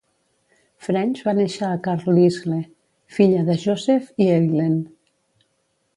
French va néixer a Carlisle, filla de Joseph i Eileen.